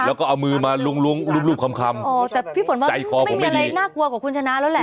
แล้วก็เอามือมาลุงรูปค่ำแต่พี่ฝนว่าไม่มีอะไรน่ากลัวกว่าคุณชนะแล้วแหละ